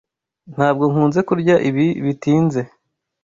Ntabwo nkunze kurya ibi bitinze.